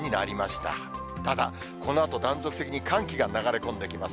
ただ、このあと、断続的に寒気が流れ込んできます。